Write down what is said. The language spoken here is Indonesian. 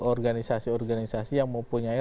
organisasi organisasi yang mempunyai